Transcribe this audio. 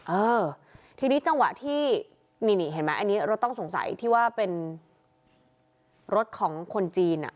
เออทีนี้จังหวะที่นี่นี่เห็นไหมอันนี้รถต้องสงสัยที่ว่าเป็นรถของคนจีนอ่ะ